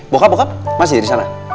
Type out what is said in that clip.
bokap bokap masih di sana